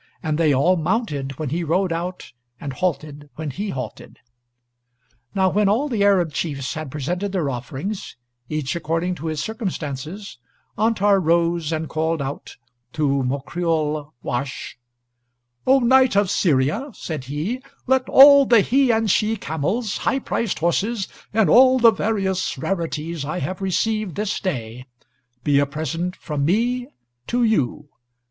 And they all mounted when he rode out, and halted when he halted.] Now when all the Arab chiefs had presented their offerings, each according to his circumstances, Antar rose, and called out to Mocriul Wahsh: "O Knight of Syria," said he, "let all the he and she camels, high priced horses, and all the various rarities I have received this day, be a present from me to you.